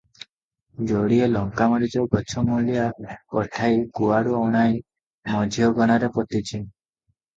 ଯୋଡିଏ ଲଙ୍କାମରିଚ ଗଛ ମୂଲିଆ ପଠାଇ କୁଆଡ଼ୁ ଅଣାଇ ମଝି ଅଗଣାରେ ପୋତିଛି ।